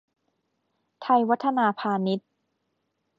ไทยวัฒนาพานิช